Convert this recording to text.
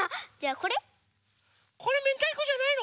これめんたいこじゃないの？